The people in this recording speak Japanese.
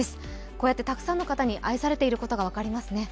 こうやってたくさんの方に愛されていることが分かりますね。